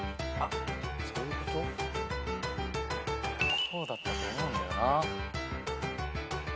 こうだったと思うんだよな。